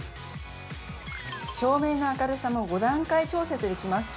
照明の明るさも５段階調節できます。